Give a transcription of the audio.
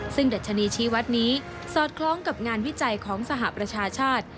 ซึ่งดัชนีชี้วัดนี้สอดคล้องกับงานวิจัยของสหประชาชาติ